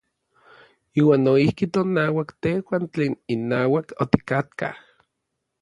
Iuan noijki tonauak tejuan tlen inauak otikatkaj.